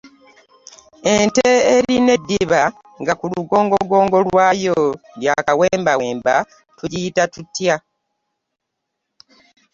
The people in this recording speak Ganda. Ente erina eddiba nga ku lugongogongo lwayo lya kawembawemba tugiyita tutya?